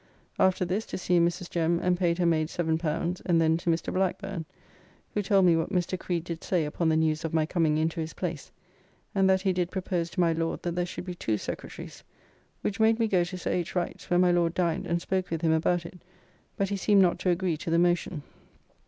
After this to see Mrs. Jem and paid her maid L7, and then to Mr. Blackburne, who told me what Mr. Creed did say upon the news of my coming into his place, and that he did propose to my Lord that there should be two Secretaries, which made me go to Sir H. Wright's where my Lord dined and spoke with him about it, but he seemed not to agree to the motion.